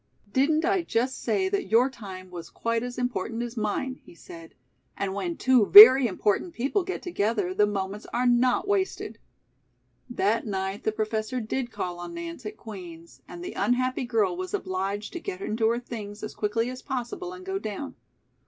"Didn't I just say that your time was quite as important as mine?" he said. "And when two very important people get together the moments are not wasted." That night the Professor did call on Nance at Queen's, and the unhappy girl was obliged to get into her things as quickly as possible and go down.